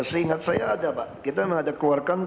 seingat saya ada pak kita mengeluarkan perpanjangan